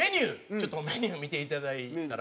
ちょっとメニュー見ていただいたら。